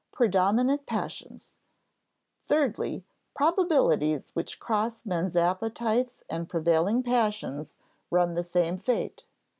"Predominant Passions. Thirdly, probabilities which cross men's appetites and prevailing passions run the same fate.